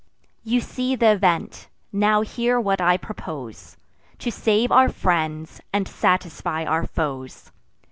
You see th' event.—Now hear what I propose, To save our friends, and satisfy our foes.